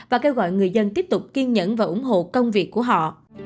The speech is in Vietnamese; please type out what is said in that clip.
và kêu gọi người dân tiếp tục kiên nhẫn và ủng hộ công việc của họ